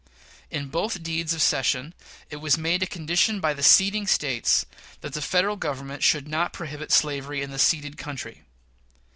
In both deeds of cession it was made a condition by the ceding States that the Federal Government should not prohibit slavery in the ceded country.